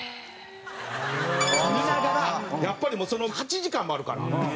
見ながらやっぱり８時間もあるから。